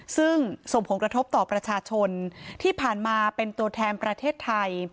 ซึ่งส่งผลกระทบต่อประชาชนที่ผ่านมาเป็นตัวแทนประเทศไทย